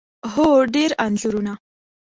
هو، ډیر انځورونه